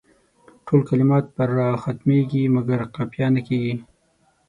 ټول کلمات پر راء ختمیږي مګر قافیه نه کیږي.